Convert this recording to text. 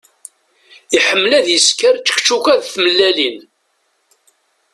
Iḥemmel ad isker čekčuka d tmellalin.